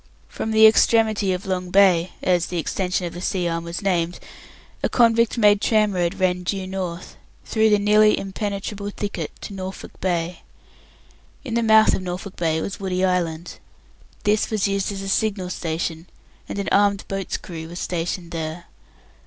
From the extremity of Long Bay, as the extension of the sea arm was named, a convict made tramroad ran due north, through the nearly impenetrable thicket to Norfolk Bay. In the mouth of Norfolk Bay was Woody Island. This was used as a signal station, and an armed boat's crew was stationed there.